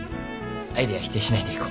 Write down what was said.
アイデア否定しないでいこう。